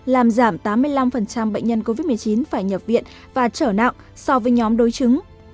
làm giảm tám mươi năm bệnh nhân covid một mươi chín phải nhập viện và trở nặng so với nhóm đối chứng